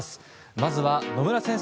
まずは、野村先生